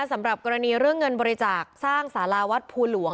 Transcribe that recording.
สำหรับกรณีเรื่องเงินบริจาคสร้างสาราวัดภูหลวง